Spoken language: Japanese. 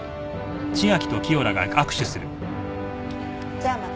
じゃあまた。